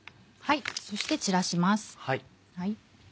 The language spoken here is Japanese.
そしてちらします。